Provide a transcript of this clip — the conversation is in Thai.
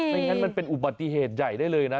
ไม่งั้นมันเป็นอุบัติเหตุใหญ่ได้เลยนะ